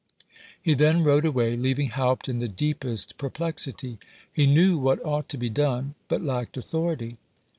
He then rode away, leaving Haupt in the deepest perplexity. He knew what ought to be done, but lacked authority.